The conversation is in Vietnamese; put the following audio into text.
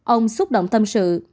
ông xúc động tâm sự